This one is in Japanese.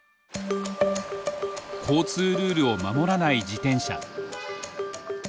交通ルールを守らない自転車。